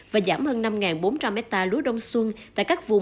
và giảm hơn năm bốn trăm linh hecta lúa sâu